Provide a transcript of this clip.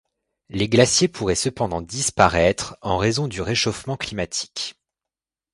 Les glaciers pourraient cependant disparaître en raison du réchauffement climatique.